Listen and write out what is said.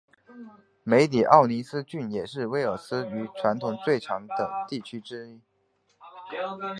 梅里奥尼斯郡也是威尔斯语传统最强的地区之一。